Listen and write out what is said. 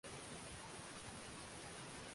Naongea kiswahili